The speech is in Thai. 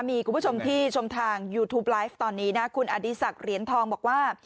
มีคุณผู้ชมที่ชมทางยูทูปไลฟ์ตอนนี้นะคุณอดีศักดิ์เหรียญทองบอกว่า